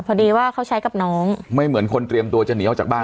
พอดีว่าเขาใช้กับน้องไม่เหมือนคนเตรียมตัวจะหนีออกจากบ้าน